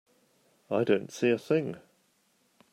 I don't see a thing.